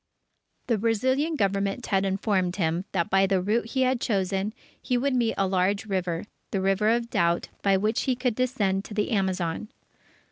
The Brazilian Government had informed him that by the route he had chosen, he would meet a large river the River of Doubt by which he could descend to the Amazon.